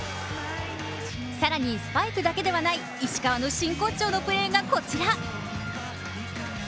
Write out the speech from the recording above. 更に、スパイクだけではない石川の真骨頂のプレーがこちら。